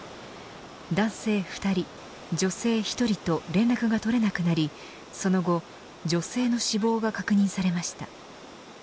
男性２人、女性１人と連絡が取れなくなりその後女性の死亡が確認されました。